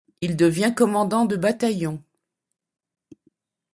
Il devient commandant de bataillon.